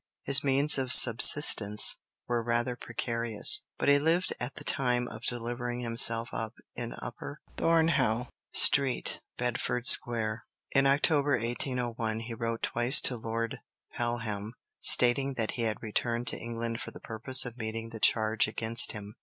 His means of subsistence were rather precarious, but he lived at the time of delivering himself up in Upper Thornhaugh St., Bedford Square. In October, 1801, he wrote twice to Lord Pelham, stating that he had returned to England for the purpose of meeting the charge against him.